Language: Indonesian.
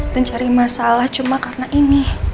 dan cari masalah cuma karena ini